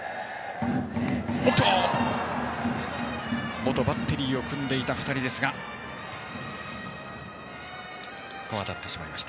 元バッテリーを組んでいた２人ですがここは当たってしまいました。